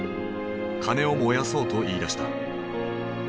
金を燃やそうと言いだした。